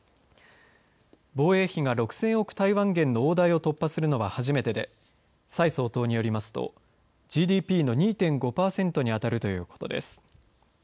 防衛費が６０００億台湾元の大台を突破するのは初めてで蔡総統によりますとＧＤＰの２．５パーセントに当たるということです。